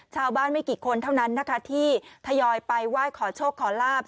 ชาวบ้านไม่กี่คนเท่านั้นที่ทยอยไปไหว้ขอโชคขอลาบ